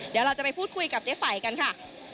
เดี๋ยวเราจะไปพูดคุยกับเจ๊ไฝ่กันค่ะ